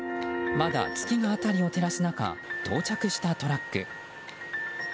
まだ、月が辺りを照らす中到着したトラック。